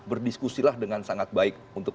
berdiskusilah dengan sangat baik untuk